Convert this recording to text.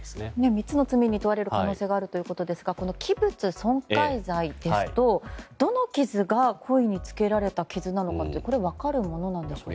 ３つの罪に問われる可能性があるということですがこの器物損壊罪ですと、どの傷が故意につけられた傷なのかって分かるものなんでしょうか？